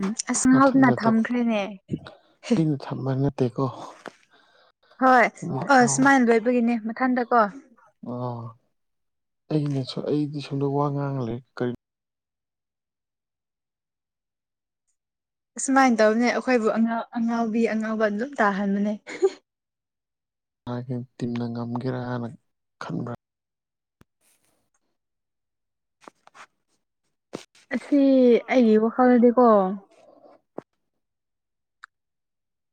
ꯎꯝ ꯑꯁ ꯉꯥꯎꯗꯅ ꯃꯊꯟꯇꯇ ꯊꯝꯈ꯭ꯔꯦꯅꯦ ꯇꯤꯅ ꯊꯝꯕ ꯅꯠꯇꯦꯀꯣ ꯍꯣꯏ ꯑ ꯁꯨꯃꯥꯏꯅ ꯂꯣꯏꯕꯒꯤꯅꯦ ꯃꯊꯪꯗꯀꯣ ꯑꯩꯅꯁꯨ ꯑꯩꯗꯤ ꯁꯣꯗ ꯋꯥ ꯉꯥꯡꯂꯦ ꯀꯔꯤꯅꯣ ꯑꯁꯨꯃꯥꯏꯅ ꯇꯧꯅꯦ ꯑꯩꯈꯣꯏꯕꯨꯥꯎ ꯑꯉꯥꯎꯕꯤ ꯑꯉꯥꯎꯕ ꯑꯗꯨꯝ ꯇꯥꯍꯟꯕꯅꯦ ꯍ ꯇꯤꯝꯅ ꯉꯝꯒꯦꯔꯥ ꯍꯥꯏꯅ ꯈꯟꯕ꯭ꯔꯥ ꯑꯁꯤ ꯑꯩꯒꯤ ꯋꯥꯈꯜꯗꯗꯤꯀꯣ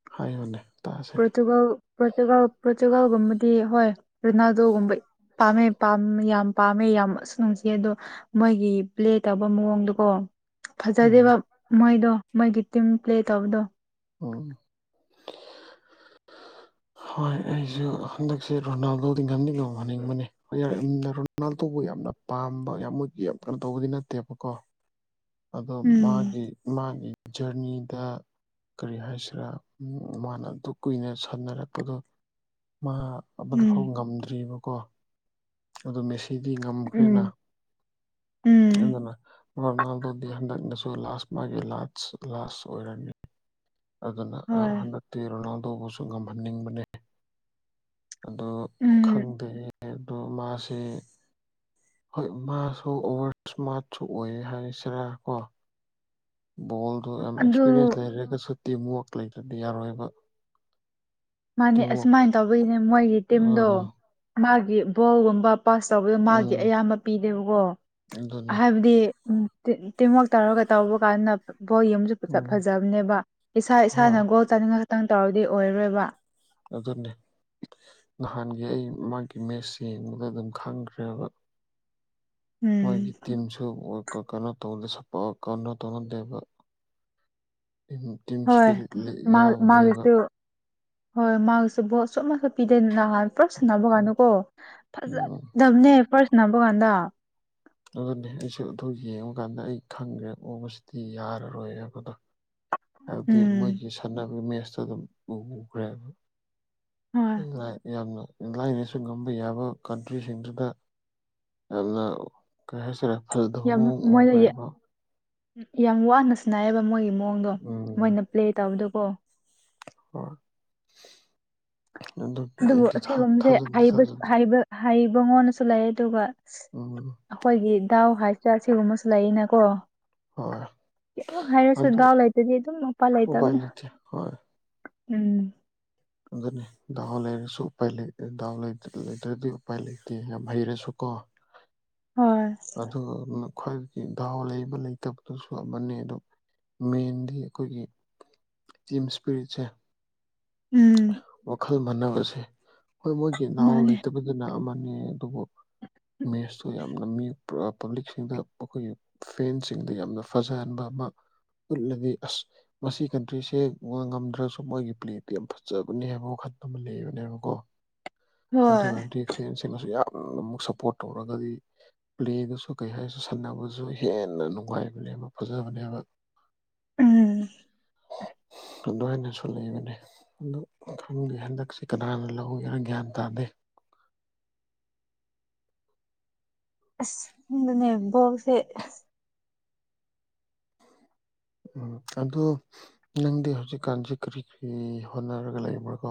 ꯍꯥꯏꯌꯨꯅꯦ ꯇꯥꯁꯤꯅꯦ ꯄꯣꯔꯇꯨꯒꯜ ꯄꯣꯔꯇꯨꯒꯜ ꯄꯣꯔꯇꯨꯒꯥꯜꯒꯨꯝꯕꯗꯤ ꯍꯣꯏ ꯔꯣꯅꯥꯜꯗꯣꯒꯨꯝꯕ ꯄꯥꯝꯃꯦꯝ ꯌꯥꯝ ꯄꯥꯝꯃꯦ ꯌꯥꯝꯁꯨ ꯅꯨꯡꯁꯤ ꯑꯗꯣ ꯃꯣꯏꯒꯤ ꯄ꯭ꯂꯦ ꯇꯧꯕ ꯃꯑꯣꯡꯗꯣꯀꯣ ꯎꯝ ꯐꯖꯗꯦꯕ ꯃꯣꯏꯗꯣ ꯃꯣꯏꯒꯤ ꯇꯤꯝ ꯄ꯭ꯂꯦ ꯇꯧꯕꯗꯣ ꯑꯣ ꯍꯣꯏ ꯑꯩꯁꯨ ꯍꯟꯗꯛꯁꯦ ꯔꯣꯅꯥꯜꯗꯣꯗꯤ ꯉꯝꯅꯤꯡꯉꯧꯍꯅꯤꯡꯕꯅꯦ ꯍ ꯌꯥꯔꯅ ꯔꯣꯅꯥꯜꯗꯣꯕꯨ ꯌꯥꯝꯅ ꯄꯥꯝꯕ ꯌꯥꯝ ꯃꯣꯏꯒꯤ ꯌꯥꯝ ꯀꯩꯅꯣ ꯇꯧꯕꯗꯤ ꯅꯠꯇꯦꯕꯀꯣ ꯑꯗꯣ ꯎꯝ ꯃꯥꯒꯤ ꯃꯥꯒꯤ ꯖꯔꯅꯤꯗ ꯀꯔꯤ ꯍꯥꯏꯁꯤꯔꯥ ꯃꯥꯅ ꯑꯗꯨ ꯀꯨꯏꯅ ꯁꯥꯟꯅꯔꯛꯄꯗꯣ ꯃꯥ ꯑꯃ ꯐꯥꯎ ꯎꯝ ꯉꯝꯗ꯭ꯔꯤꯕꯀꯣ ꯑꯗꯨ ꯃꯦꯁꯤꯗꯤ ꯉꯝꯈ꯭ꯔꯦꯅ ꯎꯝ ꯎꯝ ꯑꯗꯨꯅ ꯔꯣꯅꯥꯜꯗꯣꯗꯤ ꯍꯟꯗꯛꯅ ꯂꯥꯁ ꯃꯥꯒꯤ ꯂ ꯂꯥꯁ ꯑꯣꯏꯔꯅꯤ ꯑꯗꯨꯅ ꯍꯣꯏ ꯍꯟꯗꯛꯇꯤ ꯔꯣꯅꯥꯜ ꯑꯗꯨꯧꯕꯁꯨ ꯉꯝꯍꯟꯅꯤꯡꯕꯅꯤ ꯑꯗꯣ ꯎꯝ ꯈꯪꯗꯦꯌꯦ ꯑꯗꯣ ꯃꯥꯁꯦ ꯍꯣꯏ ꯃꯥꯁꯨ ꯑꯣꯚꯔꯁ ꯃꯥꯥꯔꯠꯁꯨ ꯑꯣꯏ ꯍꯥꯏꯁꯤꯔ ꯀꯣ ꯕꯣꯜꯗꯣ ꯌꯥꯝ ꯑꯗꯨ ꯑꯦꯛꯁꯄꯤꯔꯤꯌꯦꯟꯁ ꯂꯩꯔꯒꯁꯨ ꯇꯤꯝꯋꯥꯛ ꯂꯩꯗꯗꯤ ꯌꯥꯔꯣꯏꯕ ꯃꯥꯅꯤ ꯇꯤꯝꯋꯥꯛ ꯑꯁꯨꯃꯥꯏꯅ ꯇꯧꯕꯒꯤꯅꯦ ꯃꯣꯏꯒꯤ ꯇꯤꯝꯗꯣ ꯑꯥ ꯃꯥꯒꯤ ꯕꯣꯜꯒꯨꯝꯕ ꯄꯥꯁ ꯇꯧꯕꯗꯣ ꯃꯥꯔꯗꯤ ꯎꯝ ꯑꯌꯥꯝꯕ ꯄꯤꯗꯦꯕꯀꯣ ꯑꯗꯨꯅꯦ ꯍꯥꯏꯕꯗꯤ ꯎ ꯇꯤꯝꯋꯔꯥꯛ ꯇꯧꯔꯒ ꯇꯧꯕ ꯀꯥꯟꯗ ꯕꯣꯜ ꯌꯨꯝꯁꯨ ꯎꯝ ꯐꯖꯕꯅꯦꯕ ꯏꯁꯥ ꯏꯁꯥꯅ ꯍꯣꯏ ꯒꯣꯜ ꯇꯥꯅꯤꯡꯉ ꯈꯤꯇꯪ ꯇꯧꯔꯗꯤ ꯑꯣꯏꯔꯔꯣꯏꯕ ꯑꯗꯨꯗꯅꯦꯦ ꯅꯍꯥꯟꯒꯤ ꯑꯩ ꯃꯥꯒꯤ ꯃꯦꯠꯁ ꯌꯦꯡꯕꯗ ꯑꯗꯨꯝ ꯈꯪꯈ꯭ꯔꯦꯕ ꯎꯝ ꯃꯣꯏꯒꯤ ꯇꯤꯝꯁꯨ ꯀ ꯀꯅꯥ ꯇꯧꯉꯗꯦ ꯁꯄ ꯀꯅ ꯇꯧꯅꯗꯦꯕ ꯇꯤꯝ ꯍꯣꯏ ꯏꯁꯄꯤꯔꯤꯠ ꯃꯥ ꯌꯥꯝꯗꯦꯕ ꯃꯥꯒꯤꯁꯨ ꯍꯣꯏ ꯃꯥꯒꯤꯁꯨ ꯣꯠ ꯁꯣꯞꯅꯁꯨ ꯄꯤꯗꯦꯀꯥꯟ ꯄꯨꯂꯞ ꯁꯥꯟꯅꯕ ꯀꯥꯟꯅꯨꯀꯣ ꯐꯖ ꯎꯝ ꯗꯝꯅꯦ ꯄꯔꯁꯅꯥꯕ ꯀꯥꯟꯗꯥ ꯑꯗꯨꯅꯦ ꯑꯩꯁꯨ ꯌꯦꯡꯕ ꯑꯗꯨ ꯀꯥꯟꯗ ꯑꯩ ꯈꯪꯈ꯭ꯔꯦ ꯎꯕꯁꯤꯗꯤ ꯌꯥꯔꯔꯣꯏ ꯍꯥꯏꯕꯗꯣ ꯍꯥꯏꯕꯗꯤ ꯎꯝ ꯃꯣꯏꯒꯤ ꯁꯥꯟꯅꯕꯒꯤ ꯃꯦꯁꯇꯨ ꯑꯗꯨꯝ ꯎ ꯎꯈ꯭ꯔꯦꯕ ꯍꯣꯏ ꯌꯥꯝꯅꯅꯨꯡ ꯂꯥꯏꯅꯁꯨ ꯉꯝꯕ ꯌꯥꯕ ꯀꯟꯇ꯭ꯔꯤꯁꯤꯡꯗꯨꯗ ꯌꯥꯝꯅ ꯀꯩ ꯍꯥꯏꯁꯔꯦ ꯐꯗꯕ ꯌꯥꯝ ꯃ ꯑꯃ ꯃꯣꯏꯅ ꯎꯈ꯭ꯔꯦꯕ ꯌꯥꯝ ꯋꯥꯅꯁꯨꯅꯥꯏꯌꯦꯕ ꯃꯣꯏꯒꯤ ꯃꯑꯣꯡꯗꯣ ꯃꯣꯏꯅ ꯄ꯭ꯂꯦ ꯇꯧꯕꯗꯣꯀꯣ ꯍ ꯑꯗꯨꯕꯨ ꯊꯥꯖꯗꯦ ꯑꯁꯤꯒꯨꯝꯕꯁꯦꯕꯕ ꯍꯩꯕꯉꯣꯟꯅꯁꯨ ꯂꯩ ꯑꯗꯨꯒ ꯑ ꯎꯝ ꯑꯩꯈꯣꯏꯒꯤ ꯗꯥꯎ ꯍꯥꯏꯁꯤꯔ ꯁꯤꯒꯨꯝꯕꯁꯨ ꯂꯩꯅꯀꯣ ꯍꯣꯏ ꯍꯥꯏꯔꯁꯨ ꯑꯗꯨ ꯗꯥꯎ ꯂꯩꯇꯗꯤ ꯑꯗꯨꯝ ꯃꯄꯥꯟ ꯎꯄꯥꯏ ꯂꯩꯇꯕꯅꯦ ꯂꯩꯇꯦ ꯎꯝ ꯑꯗꯨꯪꯅꯤ ꯗꯥꯎ ꯂꯩꯔꯁꯨ ꯎ ꯗꯥ ꯂꯩꯇ꯭ꯔꯗꯤ ꯎꯄꯥꯏ ꯂꯩꯇꯦ ꯌꯥꯝ ꯍꯩꯔꯁꯨ ꯀꯣ ꯍ ꯍꯣꯏ ꯑꯗꯨ ꯈ꯭ꯋꯥꯏ ꯗꯥꯥꯎ ꯂꯩꯕ ꯂꯩꯇꯕꯗꯨꯁꯨ ꯑꯃꯅꯤ ꯑꯗꯨ ꯃꯦꯟꯗꯤ ꯑꯩꯈꯣꯏꯒꯤ ꯇꯤꯝ ꯏꯁꯄꯤꯔꯤꯠꯁ ꯎꯝ ꯋꯥꯈꯜ ꯃꯥꯟꯅꯕꯁꯦ ꯍꯣꯏ ꯃꯣꯏꯒꯤ ꯅꯅꯥꯍꯥꯎ ꯃꯥꯅꯦ ꯂꯩꯇꯕꯗꯨꯅ ꯑꯃ ꯑꯗꯨꯃ ꯃꯦꯁꯇꯣ ꯌꯥꯝꯅ ꯄꯕ꯭ꯂꯤꯛꯁꯤꯡꯗ ꯃꯈꯣꯏꯒꯤ ꯐꯦꯟꯁꯤꯡꯗ ꯌꯥꯝꯅ ꯐꯖꯍꯟꯕ ꯑꯃ ꯎꯠꯂꯗꯤ ꯑꯁ ꯃꯁꯤ ꯀꯟꯇ꯭ꯔꯤꯁꯦ ꯉꯝꯗ꯭ꯔꯁꯨ ꯃꯣꯏꯒꯤ ꯄ꯭ꯂꯦꯠ ꯌꯥꯝ ꯐꯖꯕꯅꯦ ꯍꯥꯏꯕ ꯋꯥꯈꯜ ꯑꯃ ꯂꯩꯕꯅꯦꯕꯀꯣ ꯑꯗꯨ ꯍꯣꯏ ꯑꯣꯏꯔꯗꯤ ꯐꯦꯟꯁꯤꯡꯅꯁꯨ ꯌꯥꯝ ꯑꯃꯨꯛ ꯁꯞꯄꯣꯔꯠ ꯇꯧꯔꯒꯗꯤ ꯄ꯭ꯂꯦꯗꯨꯁꯨ ꯀꯩ ꯍꯥꯏꯁꯨ ꯁꯥꯟꯅꯕꯁꯨ ꯍꯦꯟꯅ ꯅꯨꯡꯉꯥꯏꯕꯅꯦꯕ ꯐꯖꯕꯅꯦꯕ ꯎꯝ ꯑꯗꯨꯃꯥꯏꯅꯁꯨ ꯂꯩꯕꯅꯦ ꯑ ꯈꯪꯗꯦ ꯍꯟꯗꯛꯁ ꯀꯅꯥꯅ ꯂꯧꯒꯦꯔꯥ ꯒ꯭ꯌꯥꯟ ꯇꯥꯗꯦ [inaudible] ꯑ ꯍꯅꯦꯕꯣꯁꯦ ꯎꯝ ꯑꯗꯣ ꯅꯪꯗꯤ ꯍꯧꯖꯤꯛꯀꯥꯟꯁꯦ ꯀꯔꯤ ꯀꯔꯤ ꯍꯣꯠꯅꯔꯒ ꯂꯩꯕ꯭ꯔꯥꯀꯣ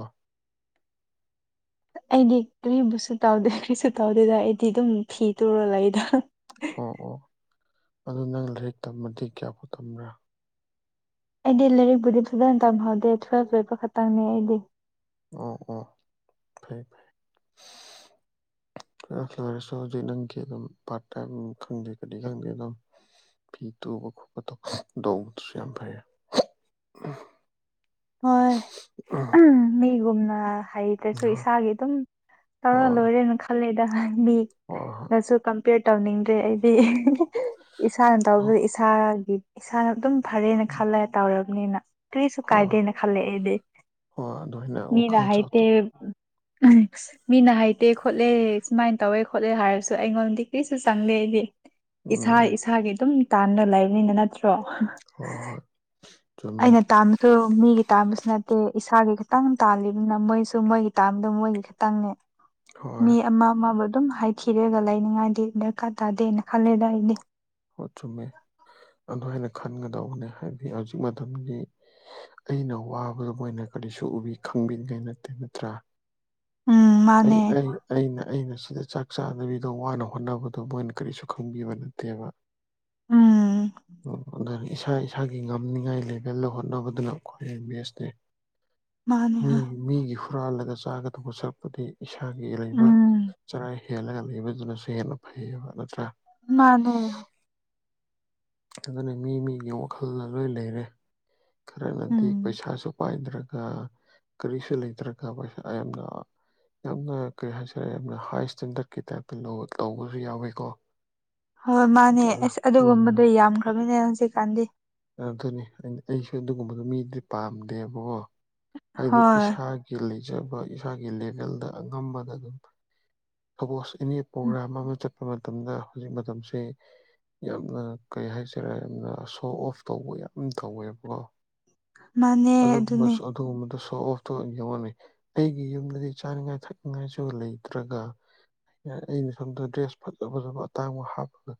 ꯑꯩꯗꯤ ꯀꯨꯁꯨ ꯇꯧꯗꯦ ꯀꯔꯤꯁꯨ ꯇꯧꯗꯦꯗ ꯑꯩꯗꯤ ꯑꯗꯨꯝ ꯐꯤ ꯇꯨꯔ ꯂꯩꯗ ꯑꯣ ꯑꯣ ꯑꯗꯨ ꯅꯪ ꯂꯥꯏꯔꯤꯛ ꯇꯝꯃꯗꯤ ꯀꯌꯥꯐꯥꯎ ꯇꯝꯕ꯭ꯔꯥ ꯑꯩꯗꯤ ꯂꯥꯏꯔꯤꯛꯄꯨꯗꯤ ꯐꯖꯅ ꯇꯝꯍꯧꯗꯦ ꯇꯨꯋꯜꯐ ꯂꯣꯏꯕ ꯈꯛꯇꯪꯅꯦ ꯑꯩꯗꯤ ꯑ ꯑꯣ ꯐꯩ ꯐ ꯔꯦꯁꯨꯗꯤ ꯅꯪꯒꯤ ꯑꯗꯨꯝ ꯄꯥꯔ ꯇꯥꯏꯝ ꯈꯪꯗꯦ ꯀꯗꯤ ꯈꯪꯗꯦ ꯑꯗꯨꯝ ꯐꯤ ꯇꯨꯕ ꯈꯣꯠꯄꯗ ꯗꯣꯡꯕꯗꯨꯁꯨ ꯌꯥꯝ ꯐꯩꯦ ꯍꯣꯏ ꯃꯤ ꯨꯝꯨꯝꯅ ꯍꯩꯗꯁꯨ ꯍꯣꯏ ꯏꯁꯥꯒꯤ ꯑꯗꯨꯝ ꯇꯧꯔ ꯍꯣꯏ ꯂꯣꯏꯔꯦꯅ ꯈꯜꯂꯦꯗ ꯍꯣꯏ ꯃꯤꯗꯁꯨ ꯄꯔꯤꯄꯦꯌꯔ ꯇꯧꯅꯤꯡꯗ꯭ꯔꯦ ꯑꯩꯗꯤ ꯏꯁꯥꯅ ꯍꯣꯏ ꯇꯧꯕꯗ ꯏꯁꯥꯒꯤ ꯏꯁꯥꯅ ꯑꯗꯨꯝ ꯐꯔꯦꯅ ꯈꯜꯂꯦ ꯇꯧꯔꯕꯅꯤꯅ ꯀꯔꯤꯁꯨ ꯍꯣꯏ ꯀꯥꯏꯗꯦꯅ ꯍꯣꯏ ꯑꯗꯨꯃꯥꯏꯅ ꯋꯥꯈꯜ ꯃꯤꯗꯥꯥꯏꯇꯤ ꯆꯥꯎꯊꯣꯛ ꯃꯤꯅ ꯍꯩꯇꯦ ꯈꯣꯠꯂꯦ ꯁꯨꯃꯥꯏꯅ ꯇꯧꯋꯦ ꯈꯣꯠꯂꯦ ꯍꯥꯏꯔꯁꯨ ꯑꯩꯉꯣꯟꯗꯤ ꯀꯔꯤꯁꯨ ꯆꯪꯗꯦ ꯑꯩꯗꯤ ꯏꯁꯥ ꯎꯝ ꯏꯁꯥꯒꯤ ꯑꯗꯨꯝ ꯇꯥꯟꯅ ꯂꯩꯕꯅꯤꯅ ꯅꯠꯇ꯭ꯔꯣ ꯍ ꯍꯣꯏ ꯆꯨꯝꯃꯦ ꯑꯩꯅ ꯇꯥꯝꯁꯨ ꯃꯤ ꯒꯤ ꯇꯥꯟꯕꯁꯨ ꯅꯠꯇꯦ ꯏꯁꯥꯒꯤ ꯈꯤꯇꯪ ꯇꯥꯜꯂꯤꯕꯅꯤꯅ ꯃꯣꯏꯁꯨ ꯃꯣꯏꯒꯤ ꯇꯥꯟꯕꯗ ꯃꯣꯏꯒꯤ ꯈꯤꯇꯪꯅꯦ ꯍꯣꯏ ꯃꯤ ꯑꯝ ꯑ ꯃꯗꯨ ꯑꯗꯨꯝ ꯍꯥꯏꯈꯤꯔꯦꯒ ꯂꯩꯅꯤꯡꯉꯥꯏꯗꯤ ꯗꯔꯀꯥꯔ ꯇꯥꯗꯦꯅ ꯈꯜꯂꯦꯗ ꯑꯩꯗꯤ ꯈꯟꯒꯗꯧꯕꯅꯤ ꯍꯥꯏꯕꯗꯤ ꯍꯧꯖꯤꯛ ꯃꯇꯝꯗꯤ ꯑꯩꯅ ꯋꯥꯕꯗꯨ ꯃꯣꯏꯅ ꯀꯔꯤꯁꯨ ꯎꯕꯤ ꯈꯪꯕꯤꯅꯤꯡꯉꯥꯏ ꯅꯠꯇꯦ ꯅꯠꯇ꯭ꯔꯥ ꯎꯝ ꯑꯩ ꯃꯥꯅꯦ ꯑꯩ ꯑꯩꯅ ꯑꯩꯅ ꯁꯤꯗ ꯆꯥꯛ ꯆꯥꯗꯕꯤꯗꯣ ꯋꯥꯅ ꯍꯣꯠꯅꯕꯗꯣ ꯃꯣꯏꯅ ꯀꯔꯤꯁꯨ ꯈꯪꯕꯤꯕ ꯅꯠꯇꯦꯕ ꯎꯝ ꯑꯣꯔ ꯏꯁꯥ ꯏꯁꯥꯒꯤ ꯉꯝꯅꯤꯉꯥꯏ ꯂꯩꯦꯕꯦꯜꯗ ꯍꯣꯠꯅꯕꯗꯨꯅ ꯈ꯭ꯋꯥꯏꯩ ꯕꯦꯁꯅꯤ ꯃꯥꯅꯦ ꯃꯤ ꯍꯣꯏ ꯃꯤꯒꯤ ꯍꯨꯔꯥꯜꯂꯒ ꯆꯥꯒ ꯊꯣꯡꯕ ꯁꯛꯄꯗꯤ ꯏꯁꯥꯒꯤ ꯂꯩꯕ ꯎꯝ ꯆꯔꯥ ꯍꯦꯜꯂꯒ ꯂꯩꯕꯗꯨꯅꯁꯨ ꯍꯦꯟꯅ ꯐꯩ ꯅꯠꯇ꯭ꯔꯥ ꯃꯥꯅꯦ ꯑꯗꯨꯅ ꯃꯤ ꯃꯤꯒꯤ ꯋꯥꯈꯜꯗ ꯂꯣꯏ ꯂꯩꯔꯦ ꯈꯔꯅꯗꯤ ꯎꯝ ꯄꯩꯁꯥꯁꯨ ꯄꯥꯏꯗꯕ ꯀ꯭ꯔ ꯀꯔꯤꯁꯨ ꯂꯩꯇ꯭ꯔꯒ ꯄꯩꯁꯥ ꯌꯥꯝꯅ ꯌꯥꯝꯅ ꯀꯔꯤ ꯍꯥꯏꯇꯥꯔꯦ ꯌꯥꯝꯅ ꯍꯥꯏ ꯏꯁꯇꯦꯟꯗꯔꯠꯀꯤ ꯇꯥꯏꯞꯇ ꯂꯧꯕꯁꯨ ꯌꯥꯎꯋꯤꯀꯣ ꯍꯣꯏꯣꯏ ꯃꯥꯅꯦ ꯑꯁ ꯑꯗꯨꯒꯨꯝꯕꯗꯣ ꯎꯝ ꯌꯥꯝꯈ꯭ꯔꯕꯅꯦ ꯍꯧꯖꯤꯛꯀꯥꯟꯗꯤ ꯑꯗꯨꯅꯤ ꯑꯩꯁꯨ ꯑꯗꯨꯒꯨꯝꯕꯗꯨ ꯃꯤꯗꯤ ꯄꯥꯝꯗꯦꯕꯀꯣ ꯍꯥꯏꯗꯤ ꯍꯣꯏ ꯏꯁꯥꯒꯤ ꯂꯩ ꯐꯖꯕ ꯏꯁꯥꯒꯤ ꯂꯦꯚꯦꯜꯗ ꯑꯉꯝꯕꯗ ꯑꯗꯨꯝ ꯁꯄꯣꯁ ꯑꯦꯅꯤ ꯄ꯭ꯔꯣꯒ꯭ꯔꯥꯝ ꯑꯃ ꯆꯠꯄ ꯃꯇꯝꯗ ꯍꯧꯖꯤꯛ ꯃꯇꯝꯁꯤꯦ ꯌꯥꯝꯅ ꯀꯩ ꯍꯥꯏꯁꯤꯔꯦ ꯌꯥꯝꯅ ꯁꯣ ꯑꯣꯐ ꯇꯧꯕ ꯌꯥꯝ ꯇꯧꯋꯦꯕꯀꯣ ꯃꯥꯅꯦ ꯑꯗꯨꯅꯦ ꯑꯣꯐ ꯇ ꯌꯦꯡꯉꯅꯤ ꯑꯩꯒꯤ ꯌꯨꯝꯗꯗꯤ ꯆꯥꯅꯤꯉꯥꯏ ꯊꯛꯅꯤꯡꯉꯥꯏꯁꯨ ꯂꯩꯇ꯭ꯔꯒ ꯌꯥ ꯑꯩꯅ ꯁꯣꯝꯗ ꯗ꯭ꯔꯦꯁ ꯐꯖ ꯐꯖꯕ ꯑꯇꯥꯡꯕ ꯍꯥꯞꯄꯒ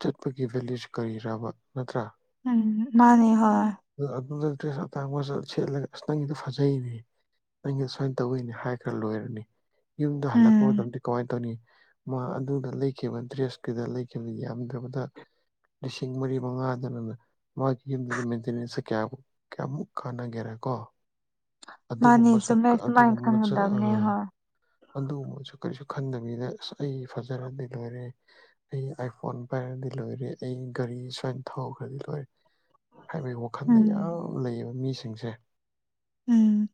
ꯆꯠꯄꯒꯤ ꯚꯦꯂꯖ ꯀꯔꯤꯔꯕ ꯅꯠꯇ꯭ꯔꯥ ꯎꯝ ꯃꯥꯅꯤ ꯍꯣꯏ ꯑꯗꯨ ꯑꯗꯨꯗ ꯗ꯭ꯔꯦꯁ ꯑꯇꯥꯡꯕ ꯁꯦꯠꯂꯒ ꯑꯁ ꯅꯪꯒꯤꯗ ꯐꯖꯩꯅꯦ ꯑꯩꯅ ꯁꯨꯃꯥꯏꯅ ꯇꯧꯣꯏꯅꯦ ꯍꯥꯏ ꯈ꯭ꯔ ꯂꯣꯏꯔꯅꯤ ꯌꯨꯝꯗ ꯍꯜꯂꯛꯄ ꯎꯝ ꯃꯇꯝꯗ ꯀꯃꯥꯏꯅ ꯇꯧꯅꯤ ꯃꯥ ꯑꯗꯨꯗ ꯂꯩꯈꯤꯕ ꯗ꯭ꯔꯦꯁ ꯀꯨꯗ ꯂꯩꯈꯤꯕ ꯌꯥꯝꯗ꯭ꯔꯕꯗ ꯂꯤꯁꯤꯡ ꯃꯔꯤ ꯃꯉꯥꯗꯅꯅ ꯃꯥꯒꯤ ꯌꯨꯝꯗ ꯅꯨ ꯃꯇꯅꯤꯁꯦ ꯀꯌꯥꯛ ꯀꯌꯥꯃꯨꯛ ꯀꯥꯟꯅꯒꯦꯔꯦ ꯀꯣ ꯃꯥꯅꯤ ꯆꯨꯝꯃꯦ ꯁꯨꯃꯥꯏꯅ ꯈꯪꯒꯗꯕꯅꯦ ꯍꯣꯏ ꯑꯗꯨꯒꯨꯝꯕꯁꯨ ꯀꯔꯤꯁꯨ ꯈꯟꯗꯕꯤꯗ ꯑꯁ ꯑꯩ ꯐꯖꯔꯗꯤ ꯂꯣꯏꯔꯦ ꯑꯩ ꯑꯥꯏꯐꯣꯟ ꯄꯥꯏꯔꯗꯤ ꯂꯣꯏꯔꯦ ꯑꯩ ꯒꯥꯔꯤ ꯁꯨꯃꯥꯏꯅ ꯊꯥꯎꯈ꯭ꯔꯗꯤ ꯂꯣꯏꯔꯦ ꯍꯥꯏꯕꯒꯤ ꯋꯥꯈꯜꯗ ꯎꯝ ꯌꯥꯝ ꯂꯩꯌꯦꯕ ꯃꯤꯁꯤꯡꯁꯦ ꯎꯝ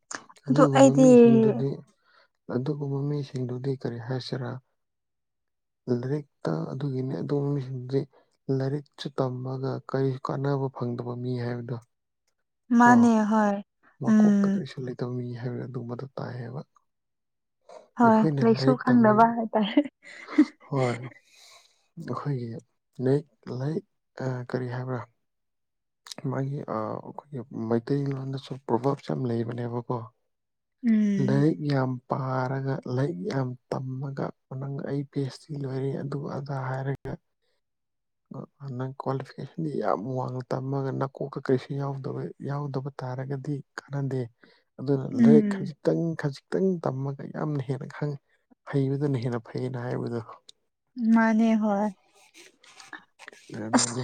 ꯑꯗꯨ ꯑꯗꯨꯒ ꯑꯩꯗꯤ ꯃꯃꯤꯁꯤꯡꯗꯨꯗꯤ ꯑꯗꯨꯒꯨꯝꯕ ꯃꯤꯁꯤꯡꯗꯨꯗꯤ ꯀꯔꯤ ꯍꯥꯏꯁꯤꯔꯥ ꯂꯥꯏꯔꯤꯛꯇ ꯑꯗꯨꯒꯤꯅꯤ ꯑꯗꯨꯒꯨꯝ ꯃꯤꯁꯤꯡꯗꯤ ꯂꯥꯏꯔꯤꯛꯁꯨ ꯇꯝꯃꯒ ꯀꯔꯤ ꯀꯥꯟꯅꯕ ꯐꯪꯗꯕ ꯃꯤ ꯍꯥꯏꯕꯗꯣ ꯀꯣ ꯃꯥꯅꯦ ꯍꯣꯏ ꯃꯀꯣꯛꯇ ꯎꯝ ꯀꯔꯤꯁꯨ ꯂꯩꯇꯕ ꯃꯤ ꯍꯥꯏꯕ ꯑꯗꯨ ꯃꯗꯨ ꯇꯥꯏ ꯍꯥꯏꯕ ꯍꯣꯏ ꯑꯩꯈꯣꯏ ꯅ ꯂꯩꯁꯨ ꯂꯩꯥꯏꯛ ꯇꯃꯤ ꯈꯪꯗꯕ ꯍꯥꯏꯇꯥꯔꯦ ꯍ ꯑꯩꯈꯣꯏꯒꯤꯌꯦꯛ ꯂꯥꯏ ꯀꯔꯤ ꯍꯥꯏꯕ꯭ꯔꯥ ꯃꯥꯒꯤ ꯑꯩꯈꯣꯏꯒꯤ ꯃꯩꯇꯩꯂꯣꯟꯗꯁꯨ ꯄ꯭ꯔꯣꯚꯥꯞꯁꯨ ꯌꯥꯝ ꯂꯩꯕꯅꯦꯕꯀꯣ ꯎꯝ ꯂꯩꯔꯤꯛ ꯌꯦ ꯌꯥꯝ ꯄꯥꯔꯒ ꯂꯥꯏꯔꯤꯛ ꯌꯥꯝ ꯇꯝꯃꯒ ꯅꯪ ꯑꯩ ꯄꯤ ꯑꯩꯆ ꯗꯤ ꯂꯣꯏꯔꯦ ꯑꯗꯨ ꯑꯗꯥ ꯍꯥꯏꯔꯒ ꯑ ꯅꯪ ꯀ꯭ꯋꯥꯂꯤꯐꯤꯀꯦꯁꯟꯗꯤ ꯌꯥꯝ ꯋꯥꯡꯅ ꯇꯝꯃꯒ ꯅꯀꯣꯛꯀ ꯀꯔꯤꯁꯨ ꯌꯥꯎꯗꯕ ꯌꯥꯎꯗꯕ ꯇꯥꯔꯒꯗꯤ ꯀꯥꯟꯅꯗꯦ ꯑꯗꯨꯅ ꯂꯥꯏꯔꯤꯛ ꯎꯝ ꯈꯖꯤꯛꯇꯪ ꯈꯤꯇꯪ ꯇꯝꯃꯒ ꯌꯥꯝꯅ ꯍꯦꯟꯅ ꯈꯪ ꯐꯩꯕꯗꯨꯅ ꯍꯦꯟꯅ ꯐꯩꯅ ꯍꯥꯏꯕꯗꯣ ꯃꯥꯅꯦ ꯍꯣꯏ ꯑ ꯑꯁ ꯑꯗꯨꯅꯤ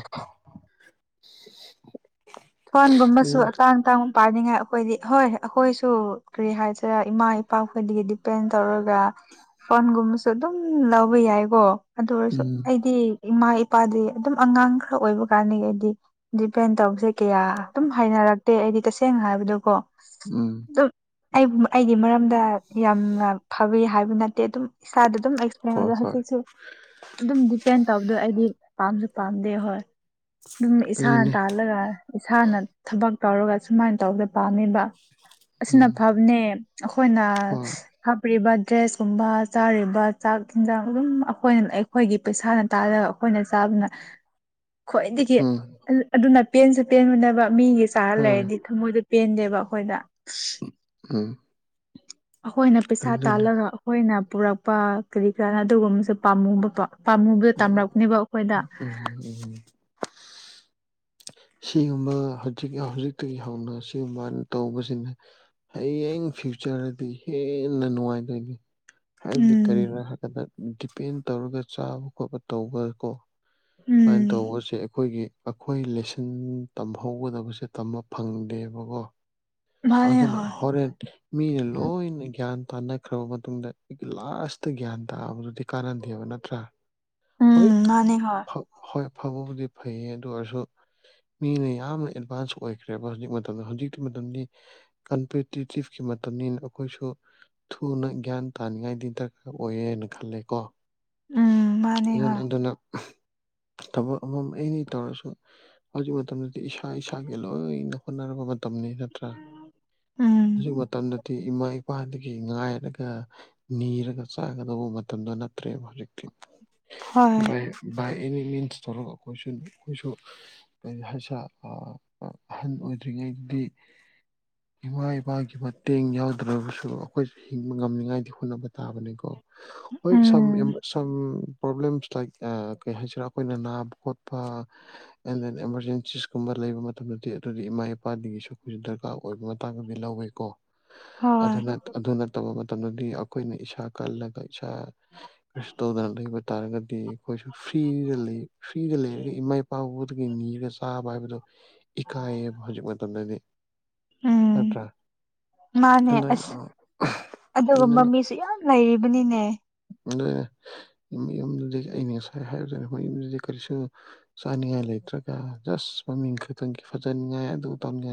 ꯐꯣꯟꯒꯨꯝꯕꯁꯨ ꯑꯇꯥꯡ ꯇꯥꯡꯕꯛ ꯄꯥꯅꯤꯡꯉꯥꯏ ꯑꯩꯈꯣꯏꯗꯤ ꯍꯣꯏ ꯑꯩꯈꯣꯏꯁꯨ ꯀꯔꯤ ꯍꯥꯏꯁꯤꯔꯦ ꯏꯃꯥ ꯏꯄꯥ ꯈꯣꯏꯗꯒꯤ ꯗꯤꯄꯦꯟ ꯇꯧꯔꯒ ꯐꯣꯟꯒꯨꯝꯕꯁꯨ ꯑꯗꯨꯝ ꯂꯧꯕ ꯌꯥꯏꯀꯣ ꯑꯗꯨ ꯑꯣꯏꯔꯁꯨ ꯎꯝ ꯑꯩꯗꯤ ꯏꯃꯥ ꯏꯄꯥꯗꯤ ꯑꯗꯨꯝ ꯑꯉꯥꯡ ꯈꯔ ꯑꯣꯏꯕ ꯀꯥꯟꯅꯤ ꯍꯥꯏꯗꯤ ꯗꯤꯄꯦꯟ ꯇꯧꯁꯦ ꯀꯌꯥ ꯑꯗꯨꯝ ꯍꯥꯏꯅꯔꯛꯇꯦ ꯑꯩꯗꯤ ꯇꯁꯦꯡꯅ ꯍꯥꯏꯕꯗꯨ ꯀꯣ ꯎꯝ ꯑꯩꯕꯨ ꯑꯩꯒꯤ ꯃꯔꯝꯗ ꯌꯥꯝꯅ ꯐꯋ ꯍꯥꯏꯕ ꯅꯠꯇꯦ ꯑꯗꯨꯝ ꯏꯁꯥꯗ ꯑꯗꯨꯝ ꯑꯦꯛꯁꯄ꯭ꯂꯦꯟ ꯍꯣꯏ ꯑꯣꯏꯗ ꯍꯣꯏ ꯍꯧꯖꯤꯛꯁꯨ ꯑꯗꯨꯝ ꯗꯤꯄꯦꯟ ꯇꯧꯕꯗꯣ ꯍꯥꯏꯗꯤ ꯄꯥꯝꯁꯨ ꯄꯥꯝꯗꯦ ꯍꯣꯏ ꯑꯗꯨꯝ ꯏꯁꯥꯅ ꯑꯗꯨꯅꯦ ꯇꯥꯜꯂꯒ ꯏꯁꯥꯅ ꯊꯕꯛ ꯇꯧꯔꯒ ꯁꯨꯃꯥꯏꯅ ꯇꯧꯕꯗ ꯄꯥꯝꯃꯤꯕ ꯑꯁꯤꯅ ꯎꯝ ꯐꯕꯅꯦ ꯑꯩꯈꯣꯏꯅ ꯍꯣꯏ ꯍꯥꯞꯄꯤꯔꯤꯕ ꯗ꯭ꯔꯦꯁꯀꯨꯝꯕ ꯆꯥꯔꯤꯕ ꯆꯥꯛ ꯏꯤꯟꯖꯥꯡ ꯑꯗꯨꯝ ꯑꯩꯈꯣꯏꯅ ꯑꯩꯈꯣꯏꯒꯤ ꯄꯩꯁꯥꯅ ꯇꯥꯜꯂꯒ ꯑꯩꯈꯣꯏꯅ ꯆꯥ ꯅ [inaudible] ꯈ꯭ꯋꯥꯏꯗꯒꯤ ꯎꯝ ꯑꯗꯨꯅ ꯄꯦꯟꯁꯨ ꯄꯦꯟꯃꯨꯅꯕ ꯃꯤꯒꯤ ꯆꯥꯔ ꯍꯣꯏ ꯂꯩꯔꯗꯤ ꯊꯃꯣꯏꯗ ꯄꯦꯟꯗꯦꯕ ꯑꯩꯈꯣꯏꯗ ꯑ ꯑꯩꯈꯣꯏꯅ ꯄꯩꯁꯥ ꯇꯥꯜꯂꯒ ꯑꯩꯈꯣꯏꯅ ꯄꯨꯔꯛꯄ ꯀꯔꯤ ꯀꯔꯥꯅ ꯑꯗꯨꯒꯨꯝꯕꯁꯨ ꯄꯥꯝꯃꯨꯕꯀꯣ ꯄꯥꯝꯃꯨꯒ ꯎꯝ ꯇꯝꯂꯛꯅꯦꯕ ꯑꯩꯈꯣꯏꯗ ꯎꯝ ꯎꯝ ꯁꯤꯒꯨꯝꯕ ꯍꯧꯖꯤꯛ ꯍꯧꯖꯤꯛꯇꯒꯤ ꯍꯧꯅ ꯁꯤꯒꯨꯝꯕ ꯍꯥꯏꯅ ꯇꯧꯕꯁꯤꯅꯦ ꯍꯌꯦꯡ ꯐ꯭ꯌꯨꯆꯔꯗꯗꯤ ꯍꯦꯟꯅ ꯅꯨꯡꯉꯥꯏꯗꯣꯏꯅꯤ ꯍꯥꯏꯕꯗꯤ ꯀꯔꯤꯅꯣ ꯎꯝ ꯍꯥꯏꯀꯥꯟꯗ ꯗꯤꯄꯦꯟ ꯇꯧꯔꯒ ꯆꯥꯕ ꯈꯣꯠꯄ ꯇꯧꯕ ꯀꯣ ꯁꯨꯃꯥꯏꯅ ꯎꯝ ꯇꯧꯕꯁꯦ ꯑꯩꯈꯣꯏꯒꯤ ꯑꯩꯈꯣꯏ ꯂꯤꯁꯟ ꯇꯝꯍꯧꯒꯗꯕꯁꯦ ꯇꯝꯕ ꯐꯪꯗꯦꯕꯀꯣ ꯃꯥꯅꯦ ꯑꯗꯨꯅ ꯍꯣꯏ ꯍꯣꯔꯦꯟ ꯃꯤꯅ ꯂꯣꯏꯅ ꯒ꯭ꯌꯥꯟ ꯇꯥꯟꯅꯈ꯭ꯔꯕ ꯃꯇꯨꯡꯗ ꯑꯩꯒꯤ ꯂꯥꯁꯇ ꯒ꯭ꯌꯥꯟ ꯇꯥꯕꯗꯨꯗꯤ ꯀꯥꯟꯅꯗꯦꯕ ꯅꯠꯇ꯭ꯔꯥ ꯍꯣꯏ ꯎꯝ ꯃꯥꯅꯦ ꯍꯣꯏ ꯍꯣꯏ ꯐꯕꯕꯨꯗꯤ ꯐꯩꯌꯦ ꯑꯗꯨ ꯑꯣꯏꯔꯁꯨ ꯃꯤꯅ ꯌꯥꯝꯅ ꯑꯦꯗꯚꯥꯟꯁ ꯑꯣꯏꯈ꯭ꯔꯦꯕ ꯍꯧꯖꯤꯛ ꯃꯇꯝꯗ ꯍꯧꯖꯤꯛꯇꯤ ꯃꯇꯝꯗꯤ ꯀꯝꯄꯤꯇꯤꯇꯤꯞꯀꯤ ꯅ ꯑꯩꯈꯣꯏꯁꯨ ꯊꯨꯅ ꯒ꯭ꯌꯥꯟ ꯇꯥꯅꯤꯡꯉꯥꯏꯗꯤ ꯗꯔꯀꯥꯔ ꯑꯣꯏꯌꯦꯅ ꯈꯜꯂꯦ ꯀꯣ ꯎꯝ ꯃꯥꯅꯦ ꯑꯗꯨ ꯍꯣꯏ ꯑꯗꯨꯅ ꯊꯕꯛ ꯑꯃꯝ ꯑꯅꯤ ꯇꯧꯔꯁꯨ ꯍꯧꯖꯤꯛ ꯃꯇꯝꯗꯗꯤ ꯏꯁꯥ ꯏꯁꯥꯒꯤ ꯂꯣꯏꯅ ꯍꯣꯠꯅꯔꯕ ꯅꯠꯇ꯭ꯔꯥ ꯎꯝ ꯍꯧꯖꯤꯛ ꯃꯇꯝꯗ ꯍꯥꯏꯗꯤ ꯏꯃꯥ ꯏꯄꯥꯗꯒꯤ ꯉꯥꯏꯔꯒ ꯅꯤꯔꯒ ꯆꯥꯒꯗꯧꯕ ꯃꯇꯝꯗꯣ ꯅꯠꯇ꯭ꯔꯦꯕ ꯍꯧꯖꯤꯛꯇꯤ ꯍꯣꯏ ꯥꯏ ꯕꯥꯏ ꯑꯦꯅꯤ ꯃꯤꯟꯁ ꯊꯣꯛꯧꯔꯒ ꯑꯩꯈꯣꯏꯁꯨ ꯑꯩꯈꯣꯏꯁꯨ ꯀꯔꯤ ꯍꯥꯏꯁꯥ ꯑꯍꯟ ꯑꯣꯏ ꯗ꯭ꯔꯤꯉꯩꯗꯤ ꯏꯃꯥ ꯏꯄꯥꯒꯤ ꯃꯇꯦꯡ ꯌꯥꯎꯗ꯭ꯔꯕꯁꯨ ꯑꯩꯈꯣꯏꯁꯨ ꯍꯤꯡꯕ ꯉꯝꯅꯤꯉꯥꯏꯗꯤ ꯍꯣꯠꯅꯕ ꯇꯥꯕꯅꯤꯀꯣ ꯍꯣꯏ some um um some problems like ꯑꯦ ꯀꯩ ꯍꯥꯏꯁꯤꯔꯥ ꯑꯩꯈꯣꯏꯅ ꯅꯥꯕ ꯈꯣꯠꯄ ꯑꯦꯟ ꯗꯦꯟ ꯑꯦꯃꯥꯔꯖꯦꯟꯁꯤꯁꯀꯨꯝꯕ ꯂꯩꯕ ꯃꯇꯝꯗꯗꯤ ꯑꯗꯨꯗꯤ ꯏꯃꯥ ꯏꯄꯥꯗꯒꯤꯁꯨ ꯑꯩꯈꯣꯏꯁꯨ ꯗꯔꯀꯥꯔ ꯑꯣꯏꯕ ꯃꯇꯥꯡꯗꯗꯤ ꯂꯧꯋꯤꯀꯣ ꯍꯍ ꯑꯗꯨ ꯍꯣꯏ ꯅꯠ ꯑꯗꯨ ꯅꯠꯇꯕ ꯃꯇꯝꯗꯗꯤ ꯑꯈꯣꯏꯅ ꯏꯁꯥ ꯀꯜꯂꯒ ꯁꯥ ꯄ꯭ꯔꯤꯁꯇꯣꯜꯗ ꯂꯩꯕ ꯇꯥꯔꯒꯗꯤ ꯑꯩꯈꯣꯏꯁꯨ ꯐ꯭ꯔꯤꯗ ꯂꯩ ꯐ꯭ꯔꯤꯗ ꯂꯩꯔꯒ ꯏꯃꯥ ꯏ ꯄꯥꯎꯕꯗꯒꯤ ꯅꯤꯔꯒ ꯆꯥꯕ ꯍꯥꯏꯕꯗꯨ ꯏꯀꯥꯏꯌꯦꯕ ꯍꯧꯖꯤꯛ ꯃꯇꯝꯗꯗꯤ ꯎꯝ ꯅꯠꯇ꯭ꯔꯥ ꯃꯥꯅꯦ ꯑꯗꯨꯅ ꯑꯁ ꯑꯗꯨꯒꯨꯝꯕ ꯃꯤꯁꯨ ꯌꯥꯝ ꯂꯩꯔꯤꯕꯅꯤꯅꯦ ꯂꯩꯔꯝꯗꯣꯏꯅꯦ ꯍꯍ ꯃꯌꯥꯝꯗꯨꯗꯒꯤ ꯑꯩꯅ ꯉꯁꯥꯏ ꯍꯥꯏꯕꯗꯨꯅꯤ ꯃꯌꯨꯝꯗꯨꯗꯤ ꯀꯔꯤꯁꯨ ꯆꯥꯅꯤꯡꯉꯥꯏ ꯉꯥꯏ ꯂꯩꯇ꯭ꯔꯒ ꯖꯁ ꯃꯃꯤꯡ ꯈꯇꯪꯒꯤ ꯐꯖꯅꯤꯡꯉꯥꯏ ꯑꯗꯨ ꯇꯧꯅꯤ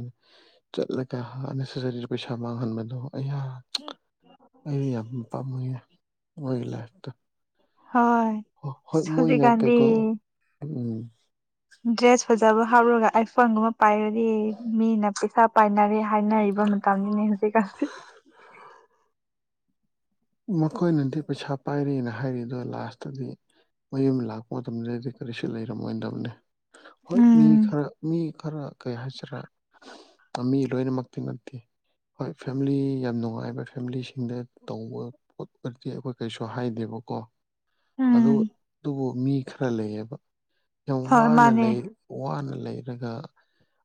ꯆꯠꯂꯒ ꯍꯥꯟ ꯅꯦꯁꯖꯔꯤꯗ ꯄꯩꯥꯁꯥ ꯃꯥꯡꯍꯟꯕꯗꯣ ꯑꯩꯌꯥ ꯑꯩꯗꯤ ꯌꯥꯝ ꯄꯥꯝꯃꯨꯏꯌꯦ ꯃꯣꯏꯒꯤ ꯂꯥꯏꯐꯇꯣ ꯍꯣꯏ ꯍꯣꯏ ꯑꯁ ꯃꯣꯏꯅ ꯍꯧꯖꯤꯛꯀꯥꯟꯗꯤ ꯀꯩꯀꯣ ꯎꯝ ꯗ꯭ꯔꯦꯁ ꯐꯖꯕ ꯍꯥꯞꯔꯨꯒ ꯑꯥꯏꯐꯣꯟ ꯒꯨꯝꯕ ꯄꯥꯏꯔꯗꯤ ꯃꯤꯅ ꯄꯩꯁꯥ ꯄꯥꯏꯅꯔꯦ ꯍꯥꯏꯅꯔꯤ ꯕ ꯃꯇꯝꯅꯤꯅꯦ ꯍꯧꯖꯤꯛ ꯀꯥꯟꯁꯤ [unintelligible] ꯃꯈꯣꯏꯅꯗꯤ ꯄꯩꯁꯥ ꯄꯥꯏꯔꯦꯅ ꯍꯥꯏꯔꯤꯗꯣ ꯂꯥꯁꯇꯗꯤ ꯃꯌꯨꯝ ꯂꯥꯛꯄ ꯃꯇꯝꯗꯨꯗꯗꯤ ꯀꯔꯤꯁꯨ ꯂꯩꯔꯝꯃꯣꯏꯗꯕꯅꯦ ꯍꯣꯏ ꯃꯤ ꯎꯝ ꯈꯔ ꯃꯤ ꯈꯔ ꯀꯩ ꯍꯥꯏꯁꯤꯔ ꯑ ꯃꯤ ꯂꯣꯏꯅꯃꯛꯇꯤ ꯅꯠ ꯇꯦ ꯍꯣꯏ ꯐꯦꯃꯤꯂꯤ ꯌꯥꯝ ꯅꯨꯡꯉꯥꯏꯕ ꯐꯦꯃꯤꯂꯤꯁꯤꯡꯗ ꯇꯧꯕ ꯄꯣꯠ ꯑꯣꯏꯔꯗꯤ ꯑꯩꯈꯣꯏ ꯀꯩꯁꯨ ꯍꯥꯏꯗꯦꯕꯀꯣ ꯑꯗꯨ ꯎꯝ ꯑꯗꯨꯕꯨ ꯃꯤ ꯈꯔ ꯂꯩꯌꯦꯕ ꯌꯥꯝ ꯍꯣꯏ ꯋꯥꯅ ꯃꯥꯅꯦ ꯂꯩ ꯋꯥꯅ ꯂꯩꯔꯒ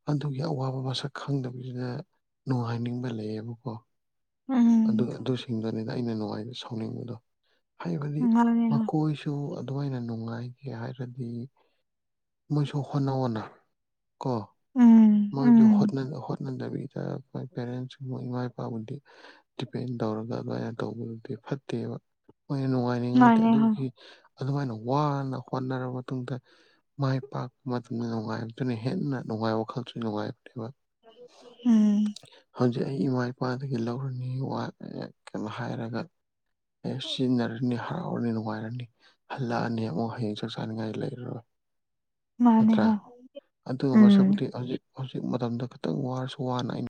ꯑꯗꯨꯒꯤ ꯑꯋꯥꯕ ꯃꯁꯛ ꯈꯪꯗꯕꯁꯤꯗ ꯅꯨꯡꯉꯥꯏꯅꯤꯡꯕ ꯂꯩꯌꯦꯕꯀꯣ ꯎꯝ ꯑꯗꯨꯗ ꯑꯗꯨꯁꯤꯡꯗꯨꯅꯤꯗ ꯑꯩꯅ ꯅꯨꯡꯉꯥꯏꯅ ꯁꯥꯎꯅꯤꯡꯕꯗꯣ ꯍꯥꯏꯕꯗꯤ ꯃꯥꯅꯦ ꯍꯣꯏ ꯃꯈꯣꯏꯁꯨ ꯑꯗꯨꯃꯥꯏꯅ ꯅꯨꯡꯉꯥꯏ ꯒꯦ ꯍꯥꯏꯔꯗꯤ ꯃꯣꯏꯁꯨ ꯍꯣꯠꯅ ꯑꯣꯅ ꯀꯣ ꯎꯝ ꯃꯣꯏꯗ ꯎꯝ ꯍꯣꯠꯅ ꯍꯣꯠꯅꯗꯕꯤꯗ ꯃꯣꯏ ꯄꯦꯔꯦꯟꯁꯀꯨꯝꯕ ꯏꯃꯥ ꯏꯄꯥꯕꯨꯗꯤ ꯗꯤꯄꯦꯟ ꯇꯧꯔꯒ ꯑꯗꯨꯃꯥꯏꯅ ꯇꯧꯕꯗꯨꯗꯤ ꯐꯠꯇꯦꯕ ꯍꯣꯏꯅ ꯅꯨꯡꯉꯥꯏꯅꯤꯡꯉꯇꯦ ꯃꯥꯅꯦ ꯍꯣꯏ ꯑꯗꯨꯒꯤ ꯑꯗꯨꯃꯥꯏꯅ ꯋꯥꯅ ꯍꯣꯠꯅꯔꯕ ꯃꯇꯨꯡꯗ ꯃꯥꯏ ꯄꯥꯛꯄ ꯃꯇꯝꯗ ꯅꯨꯡꯉꯥꯏꯕꯗꯨꯅ ꯍꯦꯟꯅ ꯅꯨꯡ ꯅꯨꯡꯉꯥꯏ ꯋꯥꯈꯜꯁꯨ ꯅꯨꯡꯉꯥꯏꯕꯅꯦꯕ ꯎꯝ ꯍꯧ ꯖꯤꯛ ꯑꯩ ꯏꯃꯥ ꯏꯄꯥꯗꯒꯤ ꯂꯧꯔꯅꯤ ꯋꯥ ꯀꯩꯅꯣ ꯍꯥꯏꯔꯒ ꯍꯦꯛ ꯁꯤꯖꯤꯟꯅꯔꯅꯤ ꯍꯔꯥꯎꯔꯅꯤ ꯅꯨꯡꯉꯥꯏꯔꯅꯤ ꯍꯜꯂꯛꯑꯅꯤ ꯑꯃꯨꯛ ꯍꯌꯦꯡ ꯆꯥꯛ ꯆꯥꯅꯤꯡꯉꯥꯏ ꯂꯩꯔꯔꯣꯏ ꯃꯥꯅꯦ ꯅꯠꯇ꯭ꯔ ꯍꯣꯏ ꯑꯗꯨꯒꯨꯝꯕ ꯎꯝ ꯁꯔꯨꯛꯄꯨꯗꯤ ꯍꯧꯖꯤꯛ ꯍꯧꯖꯤꯛ ꯃꯇꯝꯗ ꯈꯇꯪ ꯋꯥꯔꯁꯨ ꯋꯥꯅ ꯑꯩꯅ